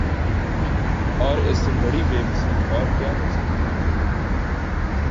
اور اس سے بڑی بے بسی اور کیا ہو سکتی ہے